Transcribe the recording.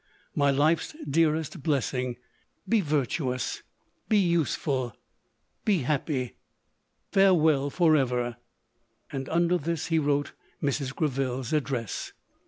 my life's dearest blessing ! be virtuous, be useful, be happy !— farewell, for ever r — and under this he wrote Mrs. Greville's address.